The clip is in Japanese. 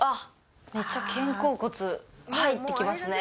めっちゃ肩甲骨入ってきますね。